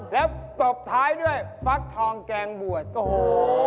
แล้วตบท้ายด้วยฟักทองแกงบวชโอ้โห